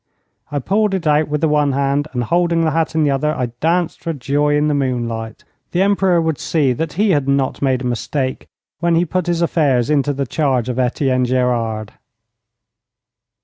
I pulled it out with the one hand and, holding the hat in the other, I danced for joy in the moonlight. The Emperor would see that he had not made a mistake when he put his affairs into the charge of Etienne Gerard.